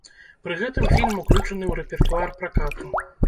Пры гэтым фільм уключаны ў рэпертуар пракату.